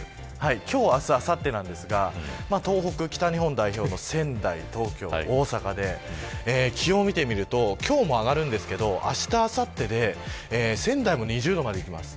今日、明日、あさってですが東北、北日本代表の仙台、東京、大阪で気温を見てみると今日も上がるんですけどあした、あさってで仙台も２０度までいきます。